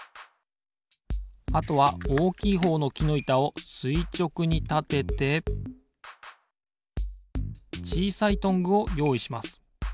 あとはおおきいほうのきのいたをすいちょくにたててちいさいトングをよういします。